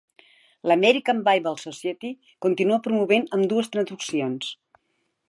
L'American Bible Society continua promovent ambdues traduccions.